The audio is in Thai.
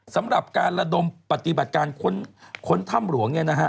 สำหรับการระดมปฏิบัติการค้นถ้ำหลวงเนี่ยนะฮะ